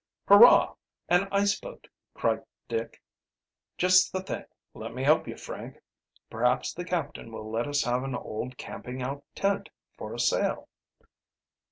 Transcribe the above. "Hurrah, an ice boat!" cried Dick. "Just the thing. Let me help, you, Frank. Perhaps the captain will let us have an old camping out tent for a sail."